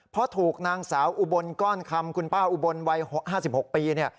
เพราะถูกนางสาวอุบลก้อนคำคุณป้าอุบลวัย๕๖ปีเนี่ย